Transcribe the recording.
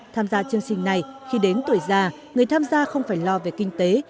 tham gia chương trình này khi đến tuổi già người tham gia không phải lo về kinh tế